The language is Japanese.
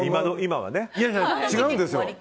違うんですよ。